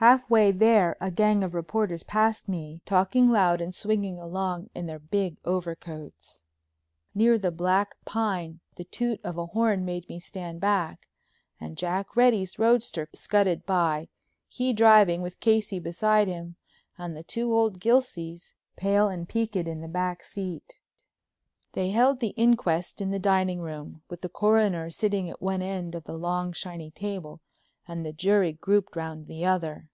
Halfway there a gang of reporters passed me, talking loud, and swinging along in their big overcoats. Near the black pine the toot of a horn made me stand back and Jack Reddy's roadster scudded by, he driving, with Casey beside him, and the two old Gilseys, pale and peaked in the back seat. They held the inquest in the dining room, with the coroner sitting at one end of the long shiny table and the jury grouped round the other.